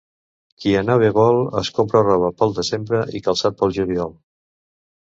Qui anar bé vol, es compra roba pel desembre i calçat pel juliol.